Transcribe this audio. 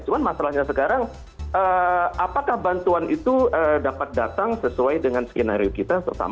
cuma masalahnya sekarang apakah bantuan itu dapat datang sesuai dengan skenario kita